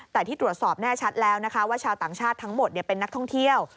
แต่ที่ตรวจสอบแน่ชัดแล้วนะคะว่าชาวต่างชาติทั้งหมดเป็นนักท่องเที่ยว